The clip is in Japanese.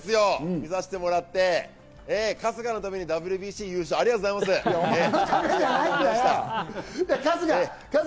見させてもらって春日のためにＷＢＣ優勝ありがとうござい春日！